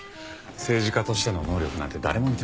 政治家としての能力なんて誰も見てません。